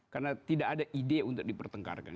karena tidak ada ide untuk dipertengkarkan